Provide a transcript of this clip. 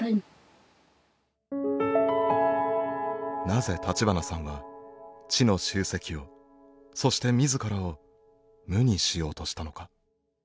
なぜ立花さんは知の集積をそして自らを無にしようとしたのか。